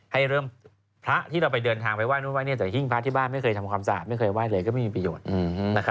ให้เริ่มพระที่เราไปเดินทางไปไห้นู่นไห้แต่หิ้งพระที่บ้านไม่เคยทำความสะอาดไม่เคยไห้เลยก็ไม่มีประโยชน์